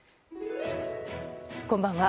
こんばんは。